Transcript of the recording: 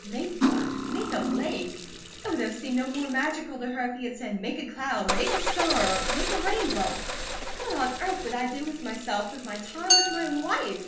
"Make one!" Make a lake? It would have seemed no more magical to her if he had said, "Make a cloud," "Make a star," or "Make a rainbow." "What on earth would I do with myself, with my time, with my life?"